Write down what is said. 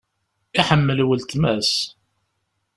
Iḥemmel wletma-s.